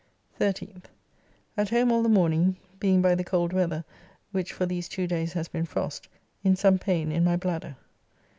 13th. At home all the morning, being by the cold weather, which for these two days has been frost, in some pain in my bladder.